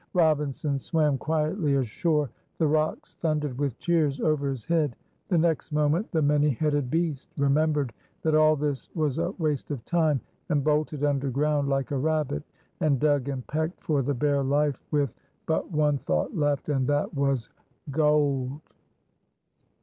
Robinson swam quietly ashore. The rocks thundered with cheers over his head. The next moment, "the many headed beast" remembered that all this was a waste of time, and bolted underground like a rabbit, and dug and pecked for the bare life with but one thought left, and that was GOLD.